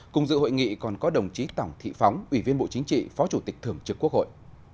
cùng dự hội nghị còn có đồng chí tổng thị phóng ủy viên bộ chính trị phó chủ tịch thường trực quốc hội